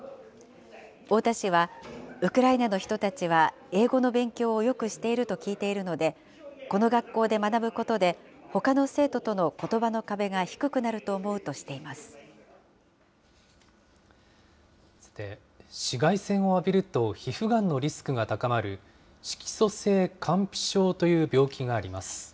太田市はウクライナの人たちは英語の勉強をよくしていると聞いているので、この学校で学ぶことで、ほかの生徒とのことばの壁が低くさて、紫外線を浴びると皮膚がんのリスクが高まる、色素性乾皮症という病気があります。